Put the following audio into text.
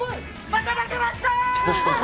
また負けました！